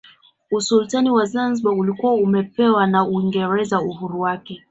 Usultani wa Zanzibar ulikuwa umepewa na Uingereza uhuru wake